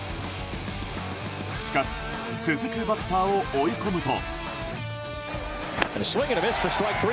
しかし続くバッターを追い込むと。